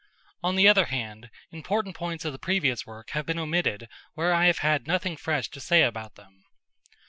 On the other hand important points of the previous work have been omitted where I have had nothing fresh to say about them.